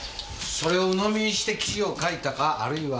それを鵜呑みにして記事を書いたかあるいは。